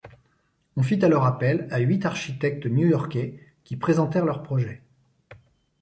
On fit alors appel à huit architectes new-yorkais qui présentèrent leurs projets.